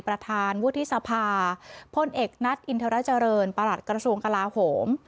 ประธานวุฒิสภาพลเอกนัทอินทรเจริญประหลัดกระทรวงกลาโหม